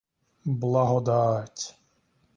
Благодать!